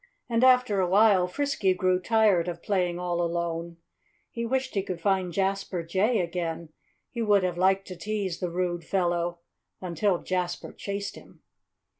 And after a while Frisky grew tired of playing all alone. He wished he could find Jasper Jay again. He would have liked to tease the rude fellow, until Jasper chased him.